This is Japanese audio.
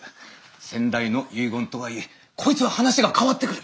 先代の遺言とはいえこいつは話が変わってくる。